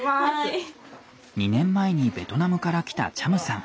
２年前にベトナムから来たチャムさん。